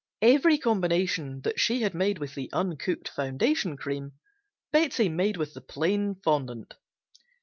Every combination that she had made with the uncooked foundation cream (see pages 92 94) Betsey made with the plain fondant.